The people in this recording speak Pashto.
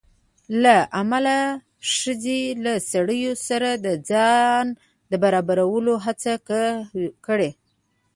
له امله ښځې له سړي سره د ځان د برابرولو هڅه کړې